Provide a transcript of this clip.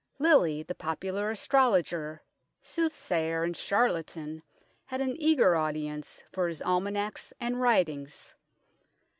Lilly, the popular astrologer, soothsayer and charlatan had an eager audience for his almanacs and writings.